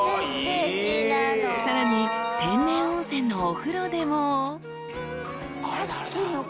［さらに天然温泉のお風呂でも］